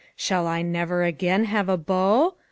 Shall I never again have a beau?